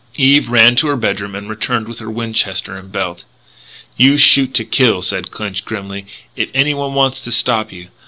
Eve ran to her bed room and returned with her Winchester and belt. "You shoot to kill," said Clinch grimly, "if anyone wants to stop you.